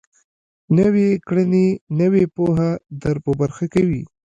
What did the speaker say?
نويې کړنې نوې پوهه در په برخه کوي.